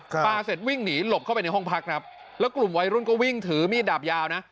ปลาเสร็จวิ่งหนีหลบเข้าไปในห้องพักครับแล้วกลุ่มวัยรุ่นก็วิ่งถือมีดดาบยาวนะ